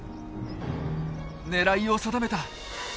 狙いを定めた！